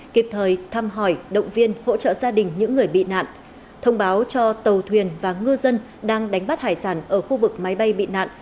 kịp thời thăm hỏi động viên hỗ trợ gia đình những người bị nạn thông báo cho tàu thuyền và ngư dân đang đánh bắt hải sản ở khu vực máy bay bị nạn